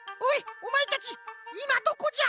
おまえたちいまどこじゃ！？